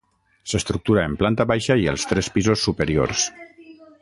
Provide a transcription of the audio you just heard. S'estructura en planta baixa i els tres pisos superiors.